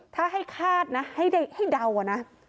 ถ้าให้คาดนะให้เดานะ